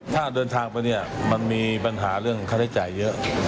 ถ้าเดินทางไปเนี่ยมันมีปัญหาเรื่องค่าใช้จ่ายเยอะ